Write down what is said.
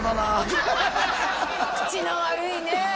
口の悪いねえ